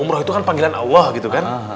umroh itu kan panggilan allah gitu kan